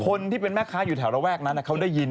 คนที่เป็นแม่ค้าอยู่แถวระแวกนั้นเขาได้ยิน